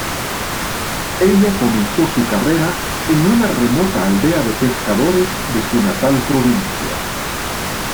Ella comenzó su carrera en una remota aldea de pescadores de su natal provincia.